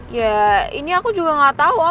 ya ini aku juga gak tau om